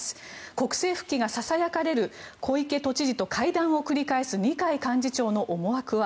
国政復帰がささやかれる小池都知事と会談を繰り返す二階幹事長の思惑は。